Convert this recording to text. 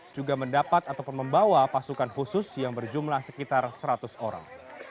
juga mendapat ataupun membawa pasukan khusus yang berjumlah sekitar seratus orang